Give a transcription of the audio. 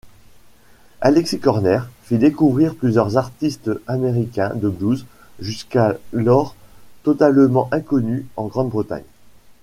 Alexis Korner fit découvrir plusieurs artistes américains de blues, jusqu'alors totalement inconnus en Grande-Bretagne.